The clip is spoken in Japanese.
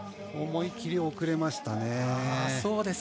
思い切り遅れましたね。